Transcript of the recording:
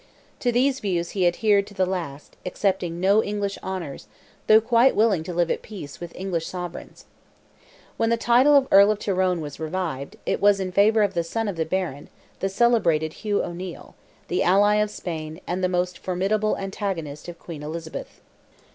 To these views he adhered to the last, accepting no English honours, though quite willing to live at peace with English sovereigns. When the title of Earl of Tyrone was revived, it was in favour of the son of the Baron, the celebrated Hugh O'Neil, the ally of Spain, and the most formidable antagonist of Queen Elizabeth.